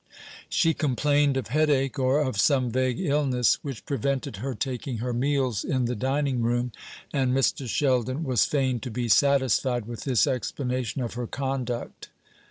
She complained of headache, or of some vague illness which prevented her taking her meals in the dining room, and Mr. Sheldon was fain to be satisfied with this explanation of her conduct.